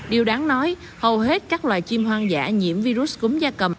điều đáng nói hầu hết các loài chim hoang dã nhiễm virus cúm da cầm